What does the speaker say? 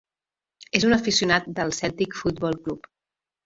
És un aficionat del Celtic Football Club.